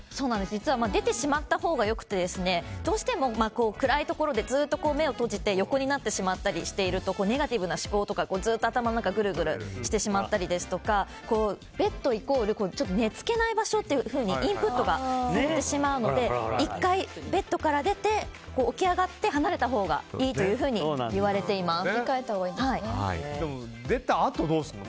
実は出てしまったほうが良くてどうしても暗い所でずっと目を閉じて横になってしまったりしているとネガティブな思考がずっと頭の中でグルグルしてしまったりですとかベッド、イコール寝付けない場所というふうにインプットされてしまうので１回ベッドから出て起き上がって離れたほうがいいと出たあと、どうするの？